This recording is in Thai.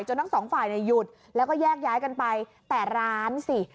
ทั้งสองฝ่ายเนี่ยหยุดแล้วก็แยกย้ายกันไปแต่ร้านสิ